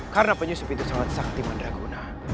karena penyusup itu sangat sakti dan beraguna